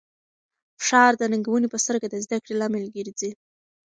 فشار د ننګونې په سترګه د زده کړې لامل ګرځي.